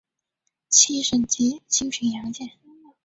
七省级轻巡洋舰。